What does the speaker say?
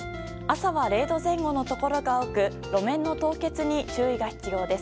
朝は０度前後のところが多く路面の凍結に注意が必要です。